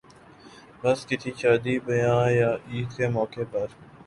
بس کسی شادی بیاہ یا عید کے موقع پر